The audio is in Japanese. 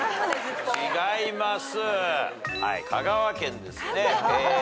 違います。